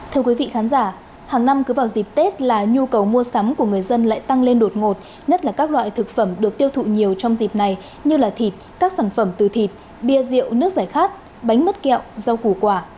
thưa quý vị khán giả hàng năm cứ vào dịp tết là nhu cầu mua sắm của người dân lại tăng lên đột ngột nhất là các loại thực phẩm được tiêu thụ nhiều trong dịp này như thịt các sản phẩm từ thịt bia rượu nước giải khát bánh mứt kẹo rau củ quả